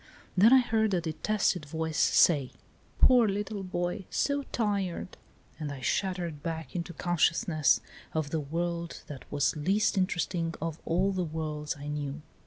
Then I heard a detested voice say, " Poor little boy, so tired !" and I shuddered back 14 THE DAY BEFORE YESTERDAY into consciousness of the world that was least interesting of all the worlds I knew.